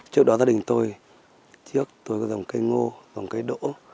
trước đó gia đình tôi trước tôi có dòng cây ngô dùng cây đỗ